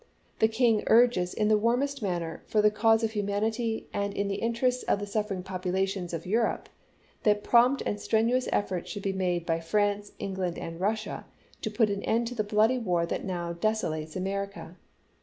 The King urges in the warmest manner, for the cause of humanity and in the interests of the suffering populations of Europe, that prompt and strenuous efforts should be made by France, England, and Russia to put an end to the bloody war that now desolates America.